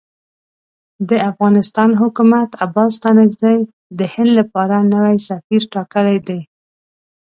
د افغانستان حکومت عباس ستانکزی د هند لپاره نوی سفیر ټاکلی دی.